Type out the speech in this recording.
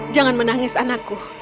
jangan menangis anakku